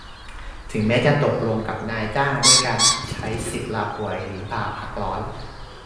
ถึงแม้จะตกลงกับนายจ้างด้วยการใช้สิทธิ์ลาป่วยหรือลาพักร้อน